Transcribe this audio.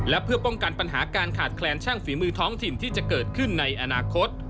และเพื่อป้องกันปัญหาการขาดแคลนช่างฝีมือท้องถิ่นที่จะเกิดขึ้นในอนาคต